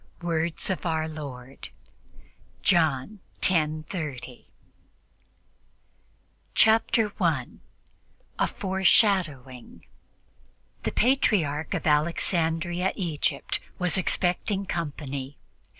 Words of Our Lord (John 10:30) Chapter 1 A FORESHADOWING THE Patriarch of Alexandria, Egypt was expecting company.